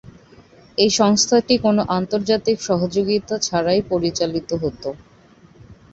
এই সংস্থাটি কোন আন্তর্জাতিক সহযোগী ছাড়াই পরিচালিত হতো।